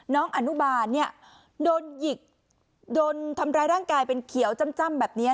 น้องอนุบาลเนี่ยโดนหยิกโดนทำร้ายร่างกายเป็นเขียวจ้ำแบบนี้